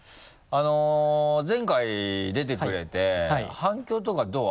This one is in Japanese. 前回出てくれて反響とかどう？